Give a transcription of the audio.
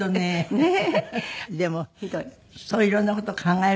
ねえ。